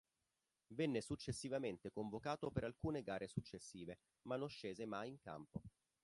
Venne successivamente convocato per alcune gare successive, ma non scese mai in campo.